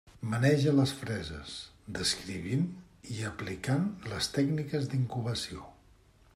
Maneja les freses, descrivint i aplicant les tècniques d'incubació.